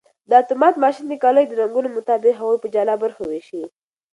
دا اتومات ماشین د کالیو د رنګونو مطابق هغوی په جلا برخو ویشي.